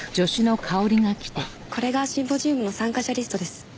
これがシンポジウムの参加者リストです。